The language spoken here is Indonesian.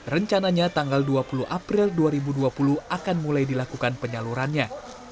rencananya tanggal dua puluh april dua ribu dua puluh akan mulai dilakukan penyalurannya